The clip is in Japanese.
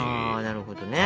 なるほどね。